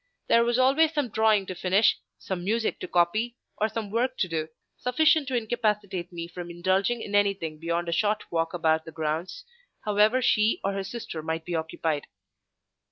There was always some drawing to finish, some music to copy, or some work to do, sufficient to incapacitate me from indulging in anything beyond a short walk about the grounds, however she or her sister might be occupied.